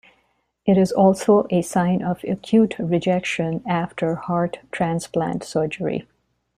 It is also a sign of acute rejection after heart transplant surgery.